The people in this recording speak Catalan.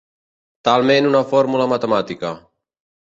Talment una fórmula matemàtica.